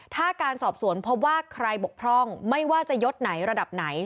ถ้าการสอบสวนพบว่าใครบกพร่องไม่ว่าจะยดไหนระดับไหน